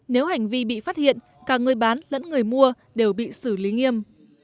nếu hành vi bị phát hiện cả người bán lẫn người mua đều bị xử lý nghiêm